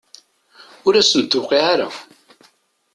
Ur asent-d-tuqiɛ ara.